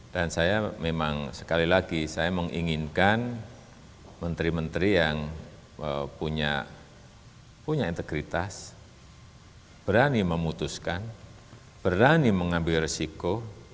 dan saya memang sekali lagi saya menginginkan menteri menteri yang punya integritas berani memutuskan berani mengambil resiko